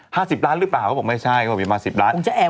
๕๐ล้านบาทหรือเปล่าก็บอกไม่ใช่มีมา๑๐ล้านบาท